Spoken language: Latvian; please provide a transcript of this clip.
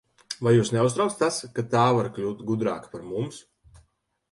Vai jūs neuztrauc tas, ka tā var kļūt gudrāka par mums?